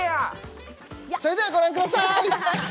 それではご覧ください